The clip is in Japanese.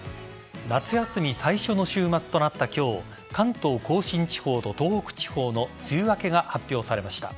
夏休み最初の週末となった今日関東甲信地方と東北地方の梅雨明けが発表されました。